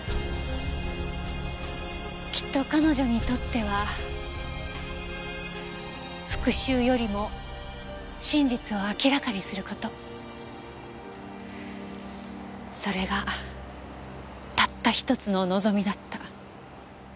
きっと彼女にとっては復讐よりも真実を明らかにする事それがたった一つの望みだった。